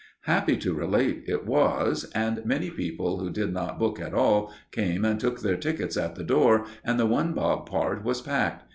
Happy to relate, it was, and many people who did not book at all, came and took their tickets at the door, and the one bob part was packed.